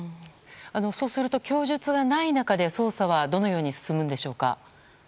そうすると供述がない中で捜査はどのように進むんでしょうか？